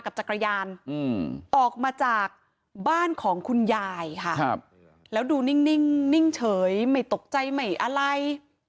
จักรยานออกมาจากบ้านของคุณยายค่ะแล้วดูนิ่งเฉยไม่ตกใจไม่อะไร